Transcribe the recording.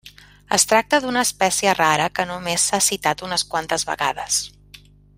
Es tracta d'una espècie rara que només s'ha citat unes quantes vegades.